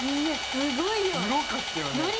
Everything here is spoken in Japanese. すごかったよね。